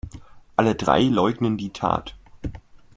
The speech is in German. Alle drei leugnen die Tat.